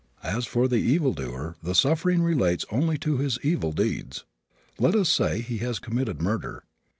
As for the evil doer the suffering relates only to his evil deeds. Let us say he has committed murder.